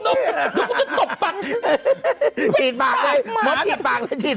ฉีดตัวเองฉีดปากมันก็มาดีกว่าอีก